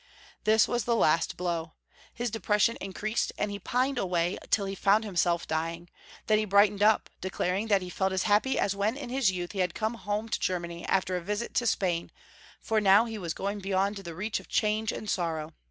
Tliis was the last blow. His depression increased, and he pined away till he found himself djdng; then he brightened up, declaring that he felt as happy as Avhen in his youth lie had come home to Germany after a visit to Spain, for now he was going beyond the reach of change and sorrow.